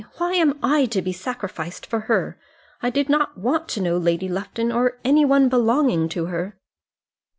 Why am I to be sacrificed for her? I did not want to know Lady Lufton, or any one belonging to her."